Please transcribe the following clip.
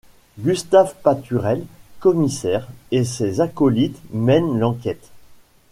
Gustave Paturel, commissaire, et ses acolytes mènent l'enquête.